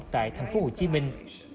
tại thành phố hồ chí minh